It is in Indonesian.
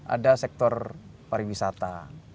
ada sektor pariwisata